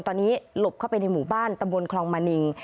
ตอนนี้หลบเข้าไปในหมู่บ้านตำบลคลองมะนิง